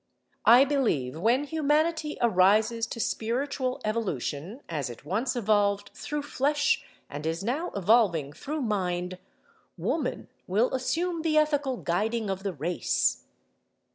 I believe when humanity arises to Spiritual evolution (as it once evolved through Flesh, and is now evolving through Mind) Woman will assume the ethical guiding of the race.